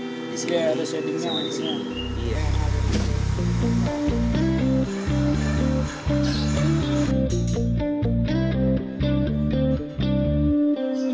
ini ada settingnya ini ada settingnya